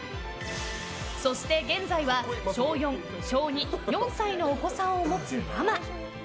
そして現在は小４、小２４歳のお子さんを持つママ。